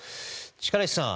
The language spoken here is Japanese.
力石さん